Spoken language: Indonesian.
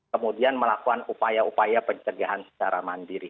kemudian melakukan upaya upaya pencegahan secara mandiri